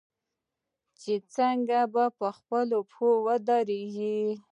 آیا چې څنګه په خپلو پښو ودریږو؟